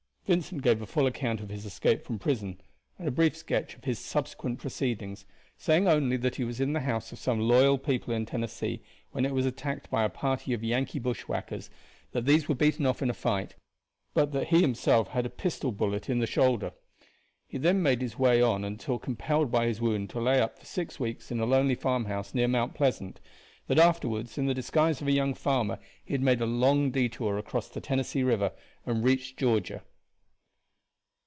Vincent gave a full account of his escape from prison and a brief sketch of his subsequent proceedings, saying only that he was in the house of some loyal people in Tennessee, when it was attacked by a party of Yankee bushwhackers, that these were beaten off in the fight, but that he himself had a pistol bullet in his shoulder. He then made his way on until compelled by his wound to lay up for six weeks in a lonely farmhouse near Mount Pleasant; that afterward in the disguise of a young farmer he had made a long detour across the Tennessee river and reached Georgia.